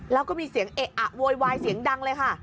แล้วก็มีเสียงเอะอะโวยวายเสียงดังเลยค่ะ